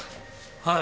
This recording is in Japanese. はい。